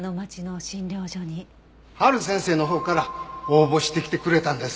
陽先生のほうから応募してきてくれたんです。